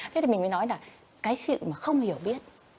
thế thì mình mới nói là cái chuyện mà không hiểu biết